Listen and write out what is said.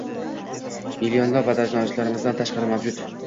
Millionlab vatandoshlarimizdan tashqari mavjud